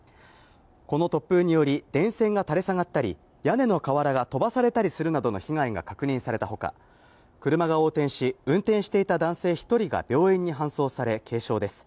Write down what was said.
この突風により、電線が垂れ下がったり、屋根の瓦が飛ばされたりするなどの被害が確認されたほか、車が横転し、運転していた男性１人が病院に搬送され、軽傷です。